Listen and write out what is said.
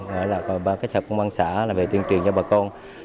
và các cơ sở công an xã là về tuyên truyền cho bà con